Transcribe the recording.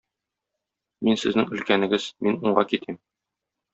Мин сезнең өлкәнегез, мин уңга китим.